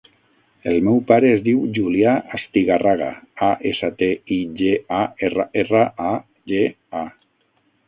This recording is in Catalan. El meu pare es diu Julià Astigarraga: a, essa, te, i, ge, a, erra, erra, a, ge, a.